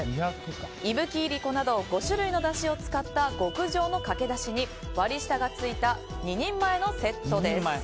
伊吹いりこなど、５種類のだしを使った極上のかけだしに割り下がついた２人前のセットです。